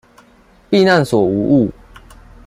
避難所無誤